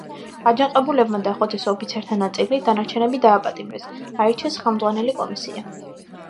აჯანყებულებმა დახოცეს ოფიცერთა ნაწილი, დანარჩენები დააპატიმრეს, აირჩიეს ხელმძღვანელი კომისია.